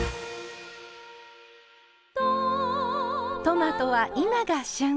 トマトは今が旬。